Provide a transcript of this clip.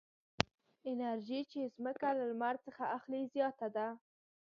انرژي چې ځمکه له لمر څخه اخلي زیاته ده.